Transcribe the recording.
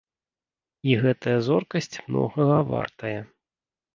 І гэтая зоркасць многага вартая.